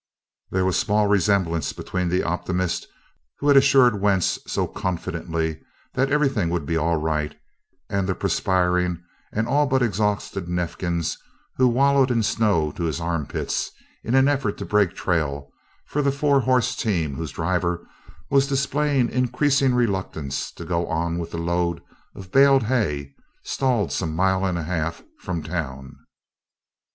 There was small resemblance between the optimist who had assured Wentz so confidently that everything would be all right and the perspiring and all but exhausted Neifkins who wallowed in snow to his arm pits in an effort to break trail for the four horse team whose driver was displaying increasing reluctance to go on with the load of baled hay stalled some mile and a half from town.